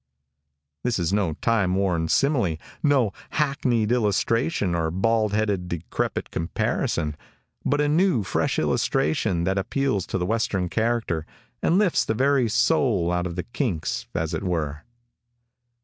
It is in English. "= This is no time worn simile, no hackneyed illustration or bald headed decrepit comparison, but a new, fresh illustration that appeals to the western character, and lifts the very soul out of the kinks, as it were.